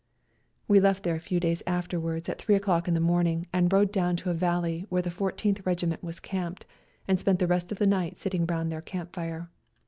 We left there a few days afterwards at three o'clock in the morning and rode down to a valley where the Fourteenth Regi ment were camped, and spent the rest of the night sitting round their camp fire.